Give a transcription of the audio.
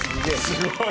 すごい。